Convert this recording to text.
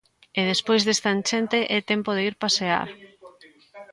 E despois desta enchente, é tempo de ir pasear.